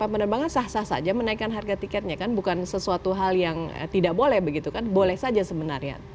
penerbangan sah sah saja menaikkan harga tiketnya kan bukan sesuatu hal yang tidak boleh begitu kan boleh saja sebenarnya